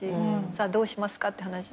さあどうしますかって話。